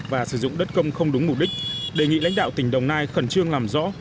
và sử dụng đất công không đúng mục đích đề nghị lãnh đạo tỉnh đồng nai khẩn trương làm rõ